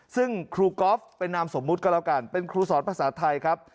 ซึ่งครูก๊อฟเป็นนามสมมุติก็แล้วกันเป็นครูสอนภาษาไทยครับ